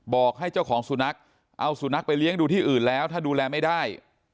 บอกให้เจ้าของสุนัขเอาสุนัขไปเลี้ยงดูที่อื่นแล้วถ้าดูแลไม่ได้